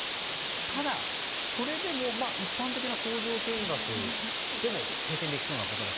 ただ、それでも一般的な工場見学でも経験できそうなことです。